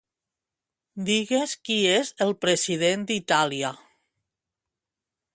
Digues qui és el president d'Itàlia.